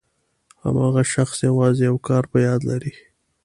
هماغه شخص یوازې یو کار په یاد لري.